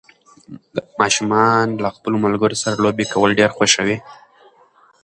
ماشومان له خپلو ملګرو سره لوبې کول ډېر خوښوي